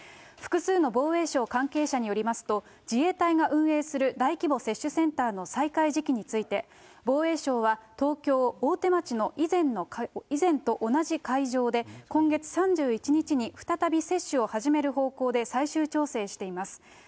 複数の防衛省関係者によりますと、自衛隊が運営する大規模接種センターの再開時期について、防衛省は東京・大手町の以前と同じ会場で、今月３１日に再び接種を始める方向で最終調整しています。